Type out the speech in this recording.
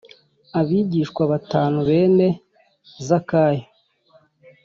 abigishwa batanu bene Zakayo